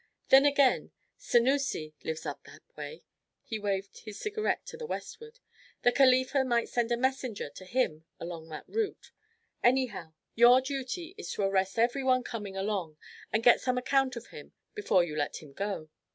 Then, again, Senoussi lives up that way" he waved his cigarette to the westward "the Khalifa might send a messenger to him along that route. Anyhow, your duty is to arrest every one coming along, and get some account of him before you let him go.